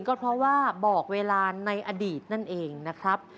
ก็เพราะว่าบอกเวลาในอดีตนั่นเองนะครับ